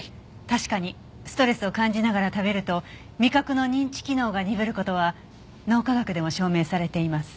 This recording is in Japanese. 確かにストレスを感じながら食べると味覚の認知機能が鈍る事は脳科学でも証明されています。